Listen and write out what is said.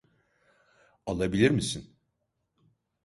Alabilir misin?